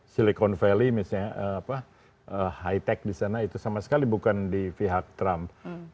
silicon valley misalnya high tech di sana itu sama sekali bukan di pihak trump